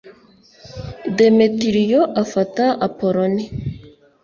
demetiriyo afata apoloni